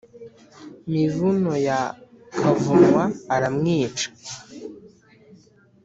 mivuno ya kavunwa aramwica,